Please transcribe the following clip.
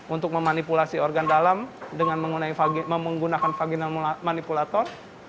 untuk memanipulasi organ dalam dengan menggunakan vaginal manipulator